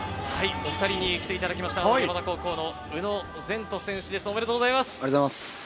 お２人に来ていただきました、青森山田高校の宇野禅斗選手です。